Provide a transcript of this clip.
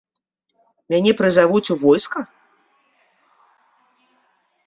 Мяне прызавуць у войска?